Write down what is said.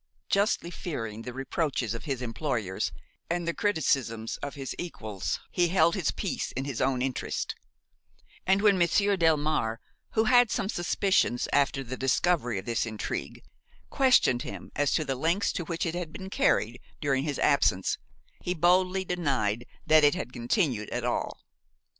Justly fearing the reproaches of his employers and the criticisms of his equals, he held his peace in his own interest; and when Monsieur Delmare, who had some suspicions after the discovery of this intrigue, questioned him as to the lengths to which it had been carried during his absence, he boldly denied that it had continued at all.